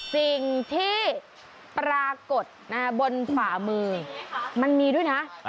สิ่งที่ปรากฏบนฝ่ามือมันมีด้วยนะ